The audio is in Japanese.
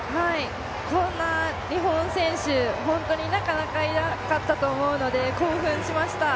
こんな日本選手、本当になかなかいなかったと思うので、興奮しました。